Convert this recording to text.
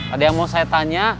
ada yang mau saya tanya